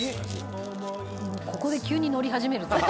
「ここで急にのり始めるという」